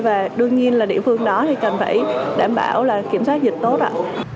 và đương nhiên là địa phương đó thì cần phải đảm bảo là kiểm soát dịch tốt ạ